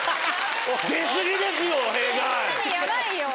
出過ぎですよ